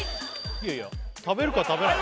いやいや食べるか食べないか？